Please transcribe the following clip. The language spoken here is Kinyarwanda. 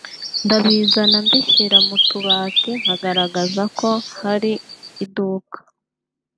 ndabizana mbishyira mu tubati nkagaragaza ko hari iduka